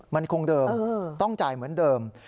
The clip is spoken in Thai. มันคงเดิมต้องจ่ายเหมือนเดิม